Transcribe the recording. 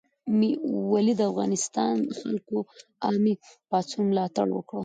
ولې د افغانستان خلکو د اموي پاڅون ملاتړ وکړ؟